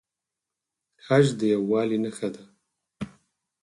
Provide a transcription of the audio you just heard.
حج د یووالي نښه ده